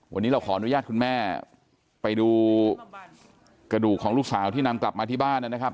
วันนี้เราขออนุญาตคุณแม่ไปดูกระดูกของลูกสาวที่นำกลับมาที่บ้านนะครับ